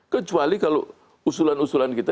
kecuali kalau usulan usulan kita